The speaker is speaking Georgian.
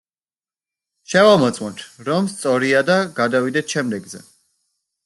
შევამოწმოთ, რომ სწორია და გადავიდეთ შემდეგზე.